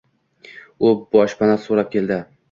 U boshpana so’rab keldi.